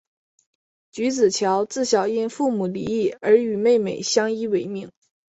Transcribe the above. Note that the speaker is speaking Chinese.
菊梓乔自小因父母离异而与妹妹相依为命。